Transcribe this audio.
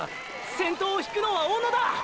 先頭を引くのは小野田！！